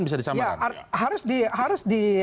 bisa disamakan harus